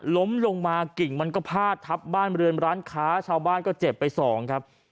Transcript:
ล้มลงมากิ่งมันก็พาดทับบ้านเรือนร้านค้าชาวบ้านก็เจ็บไปสองครับ